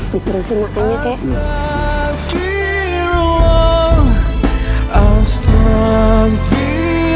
dikeras semuanya kakek